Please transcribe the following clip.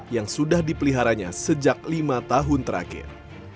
yang sudah dipeliharanya sejak lima tahun terakhir